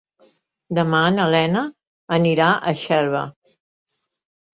Demà na Lena anirà a Xelva.